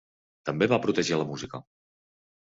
També va protegir la música.